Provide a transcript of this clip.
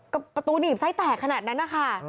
ก็ประตูหนีบไส้แตกขนาดนั้นนะคะ